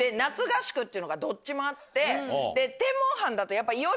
っていうのがどっちもあって。